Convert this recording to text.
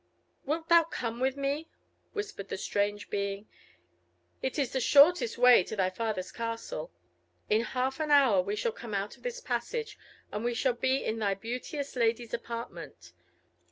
"Wilt thou come with me?" whispered the strange being; "it is the shortest way to thy father's castle. In half an hour we shall come out of this passage, and we shall be in thy beauteous lady's apartment.